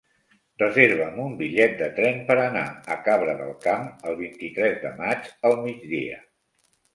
Reserva'm un bitllet de tren per anar a Cabra del Camp el vint-i-tres de maig al migdia.